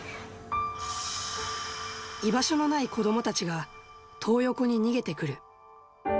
居場所のない子どもたちが、トー横に逃げてくる。